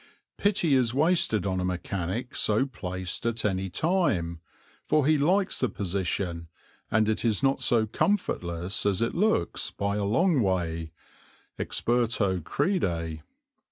Pity is wasted on a mechanic so placed at any time, for he likes the position, and it is not so comfortless as it looks by a long way, experto crede.